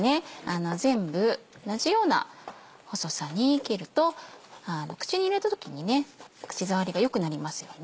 全部同じような細さに切ると口に入れた時に口触りが良くなりますよね。